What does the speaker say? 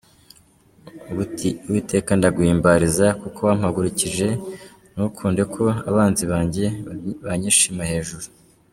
Uwiteka ndaguhimbariza kuko wampagurukije, Ntukunde ko abanzi banjye banyishima hejuru.